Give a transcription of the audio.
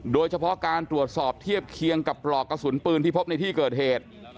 โดยเฉพาะการตรวจสอบเทียบเคียงกับปลอกกระสุนปืนที่พบในที่เกิดเหตุ